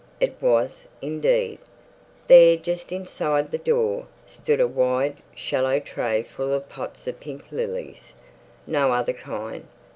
It was, indeed. There, just inside the door, stood a wide, shallow tray full of pots of pink lilies. No other kind.